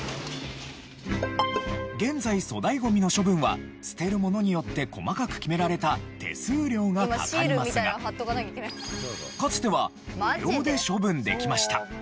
現在粗大ゴミの処分は捨てるものによって細かく決められた手数料がかかりますがかつては無料で処分できました。